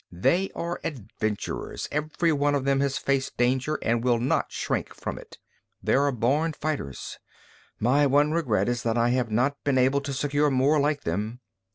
"They are adventurers, every one of whom has faced danger and will not shrink from it. They are born fighters. My one regret is that I have not been able to secure more like them.